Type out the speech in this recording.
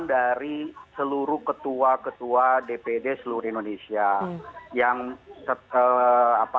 dari seluruh ketua ketua dpd seluruh indonesia